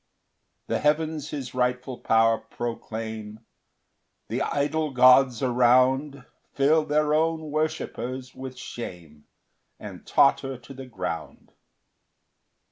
3 The heavens his rightful power proclaim The idol gods around Fill their own worshippers with shame, And totter to the ground.